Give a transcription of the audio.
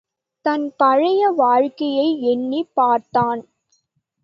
தன் பழைய வாழ்க்கையை எண்ணிப் பார்த்தான்.